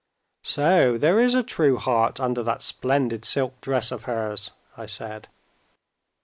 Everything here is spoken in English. "So there is a true heart under that splendid silk dress of hers?" I said.